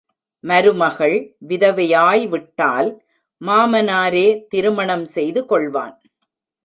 மருமகள் விதவையாய்விட்டால் மாமனாரே திருமணம் செய்துகொள்வான்.